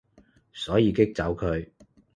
所以激走佢